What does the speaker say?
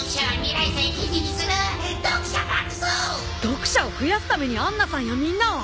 読者を増やすために杏奈さんやみんなを！？